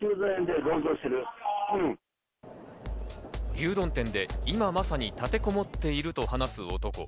牛丼店で今まさに立てこもっていると話す男。